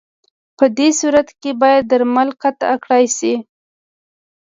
پدې صورت کې باید درمل قطع کړای شي.